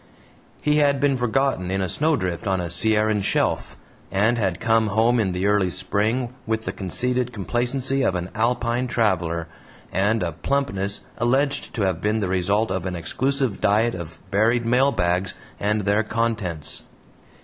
He had been forgotten in a snowdrift on a Sierran shelf, and had come home in the early spring with the conceited complacency of an Alpine traveler and a plumpness alleged to have been the result of an exclusive diet of buried mail bags and their contents.